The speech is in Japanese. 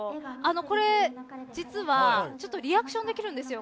実はリアクションできるんですよ。